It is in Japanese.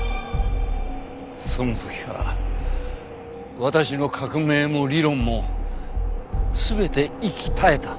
その時から私の革命も理論も全て息絶えた。